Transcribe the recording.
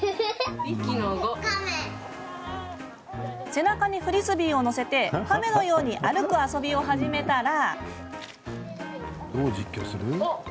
背中にフリスビーを載せて亀のように歩く遊びを始めたら。